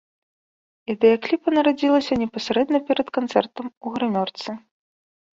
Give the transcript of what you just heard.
Ідэя кліпа нарадзілася непасрэдна перад канцэртам у грымёрцы.